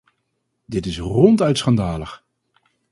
Dit is ronduit schandalig!